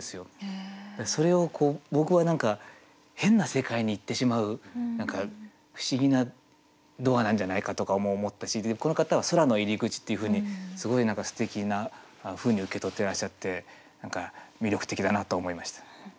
それをこう僕は何か変な世界に行ってしまう何か不思議なドアなんじゃないかとかも思ったしこの方は「空の入り口」っていうふうにすごい何かすてきなふうに受け取ってらっしゃって何か魅力的だなと思いました。